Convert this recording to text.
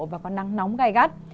và có nắng nóng gai gắt